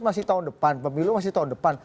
masih tahun depan pemilu masih tahun depan